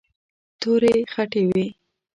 تورې خټې وې.